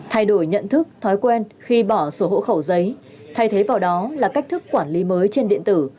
thay đổi nhận thức thói quen khi bỏ sổ hộ khẩu giấy thay thế vào đó là cách thức quản lý mới trên điện tử